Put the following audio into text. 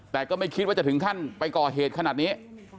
แต่ก็ไม่คิดว่าจะถึงขั้นไปก่อเหตุขนาดนี้